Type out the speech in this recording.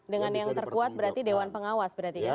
dengan yang terkuat berarti dewan pengawas berarti ya